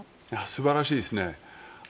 素晴らしいですね。